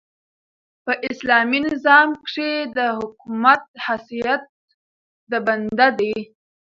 په اسلامي نظام کښي د حکومت حیثیت د بنده دئ.